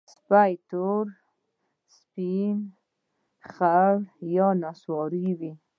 سپي تور، سپین، خړ یا نسواري وي.